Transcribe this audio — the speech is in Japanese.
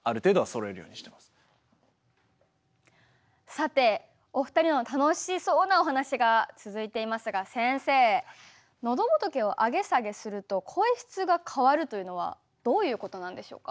さてお二人の楽しそうなお話が続いていますが先生のどぼとけを上げ下げすると声質が変わるというのはどういうことなんでしょうか？